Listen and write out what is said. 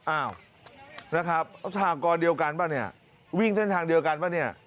อ้าวนะครับสหกรณ์เดียวกันป่ะเนี่ยวิ่งเส้นทางเดียวกันป่ะเนี่ย